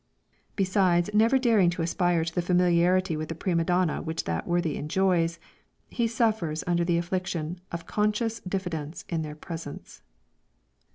Besides never daring to aspire to the familiarity with the prima donna which that worthy enjoys, he suffers under the affliction of conscious diffidence in their presence.